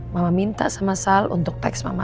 mama minta sama sal untuk teks mama